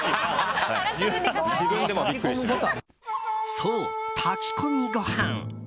そう、炊き込みご飯。